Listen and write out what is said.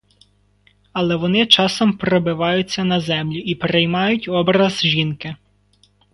Але вони часом пробиваються на землю і приймають образ жінки.